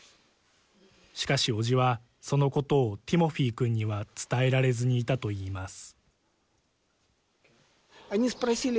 しかし、おじはそのことをティモフィ君には伝えられずにいたといいます。